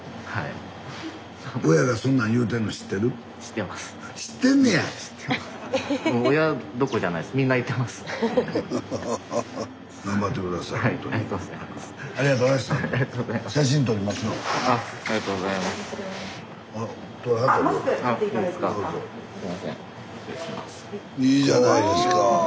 スタジオいいじゃないですか。